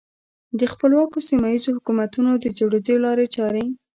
د خپلواکو سیمه ییزو حکومتونو د جوړېدو لارې چارې.